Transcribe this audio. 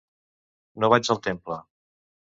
No vaig al temple.